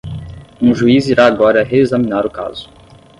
Um juiz irá agora reexaminar o caso.